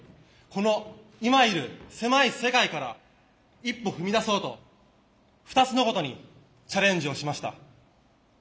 この今いる狭い世界から一歩踏み出そうと２つのことにチャレンジをしました。